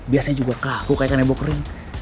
biasanya juga kaku kayak kanebo kering